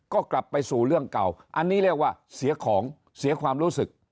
ก็กลับไปสู่เรื่องเก่าอันนี้เรียกว่าเสียของเสียความรู้สึก